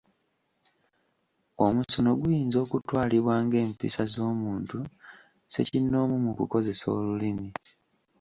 Omusono guyinza okutwalibwa ng’empisa z’omuntu ssekinnoomu mu kukozesa olulimi.